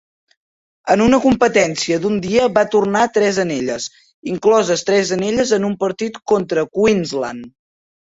En una competència d'un dia va tornar tres anelles, incloses tres anelles en un partit contra Queensland.